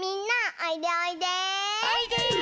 おいで。